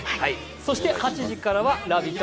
そして８時からは「ラヴィット！」。